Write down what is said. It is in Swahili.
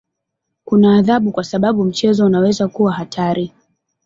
Kuna adhabu kwa sababu mchezo unaweza kuwa hatari.